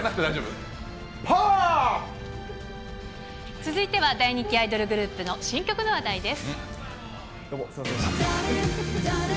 続いては大人気アイドルグループの新曲の話題です。